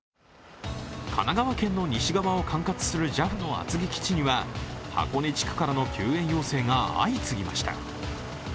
神奈川県の西側を管轄するＪＡＦの厚木基地には箱根地区からの救援要請が相次ぎました。